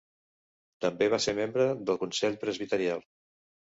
També va ser membre del Consell Presbiteral.